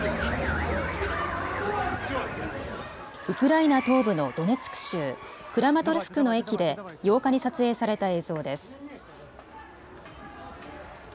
ウクライナ東部のドネツク州、クラマトルスクの駅で８日に撮影された映像です。